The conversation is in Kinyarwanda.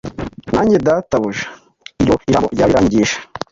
Nanjye Databuja ibyo ijambo ryawe riranyigisha